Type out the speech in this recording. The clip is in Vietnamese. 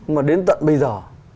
mà đến tận bây giờ